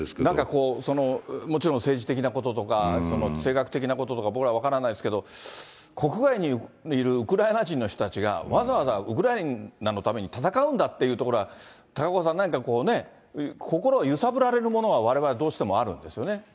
なんかもちろん、政治的なこととか、せいかくてきなこととか、僕ら分からないですけど、国外にいるウクライナ人の人たちがわざわざウクライナのために戦うんだっていうところは、高岡さん、何かこうね、心を揺さぶられるものがわれわれ、どうしてもあるんですよね。